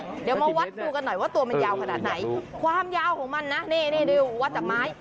เดี๋ยวมาวัดดูกันหน่อยว่าตัวมันยาวขนาดไหนความยาวของมันนะนี่ดูวัดจากไม้